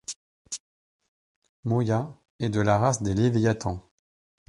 Moya est de la race des Leviathans.